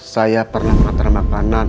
saya pernah matang makanan